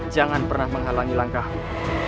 jangan pernah menghalangi langkahmu